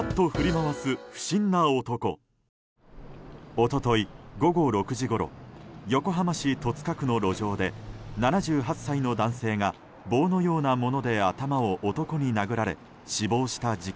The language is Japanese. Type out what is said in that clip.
一昨日午後６時ごろ横浜市戸塚区の路上で７８歳の男性が棒のようなもので頭を男に殴られ死亡した事件。